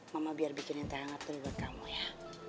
mama biar bikin yang terhangat dulu buat kamu ya